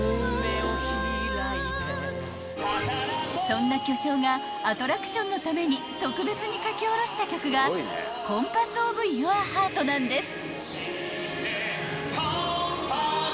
［そんな巨匠がアトラクションのために特別に書き下ろした曲が『コンパス・オブ・ユア・ハート』なんです］